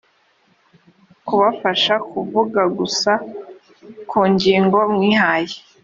kubafasha kuvuga gusa ku ngingo mwihaye